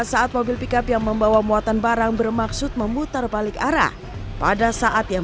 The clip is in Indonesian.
saat mobil pickup yang membawa muatan barang bermaksud memutar balik arah pada saat yang